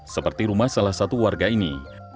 seperti rumah salah satu warga ini